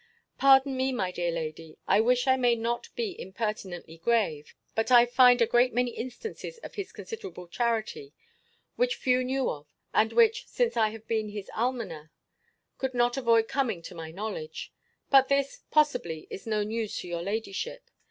Pardon me, my dear lady; I wish I may not be impertinently grave: but I find a great many instances of his considerate charity, which few knew of, and which, since I have been his almoner, could not avoid coming to my knowledge. But this, possibly, is no news to your ladyship.